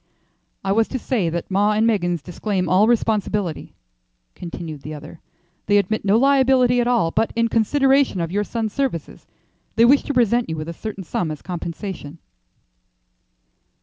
"I was to say that 'Maw and Meggins' disclaim all responsibility," continued the other. "They admit no liability at all, but in consideration of your son's services, they wish to present you with a certain sum as compensation."